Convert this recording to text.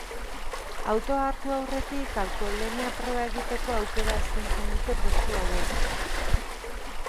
Autoa hartu aurretik alkoholemia proba egiteko aukera eskaintzen dute postu hauek.